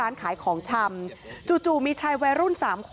นี่นี่นี่นี่